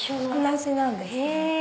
同じなんです。